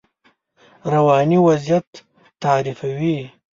رواني وضعیت تعریفوي.